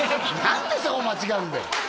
何でそこ間違えるんだよ！